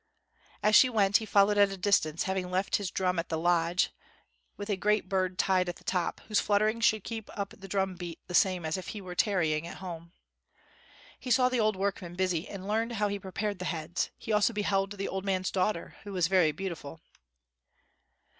As she went he followed at a distance, having left his drum at the lodge, with a great bird tied at the top, whose fluttering should keep up the drum beat the same as if he were tarrying at home. He saw the old workman busy and learned how he prepared the heads; he also beheld the old man's daughter, who was very beautiful.